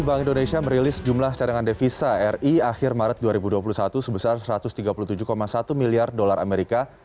bank indonesia merilis jumlah cadangan devisa ri akhir maret dua ribu dua puluh satu sebesar satu ratus tiga puluh tujuh satu miliar dolar amerika